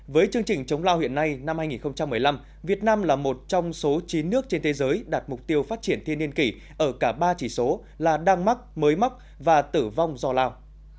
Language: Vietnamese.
với chương trình chống lao hiện nay năm hai nghìn một mươi năm việt nam là một trong số chín nước trên thế giới đạt mục tiêu phát triển thiên niên kỷ ở cả ba chỉ số là đang mắc mới mắc và tử vong do lao